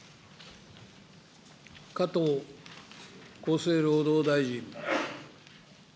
加藤厚生労働大臣。